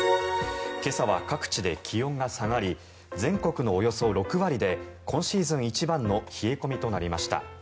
今朝は各地で気温が下がり全国のおよそ６割で今シーズン一番の冷え込みとなりました。